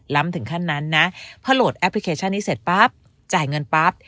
ถึงขั้นนั้นนะพอโหลดแอปพลิเคชันนี้เสร็จปั๊บจ่ายเงินปั๊บ